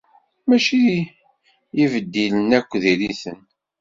Mačči ibeddilen akk diri-ten.